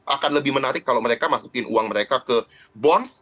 akan lebih menarik kalau mereka masukin uang mereka ke bons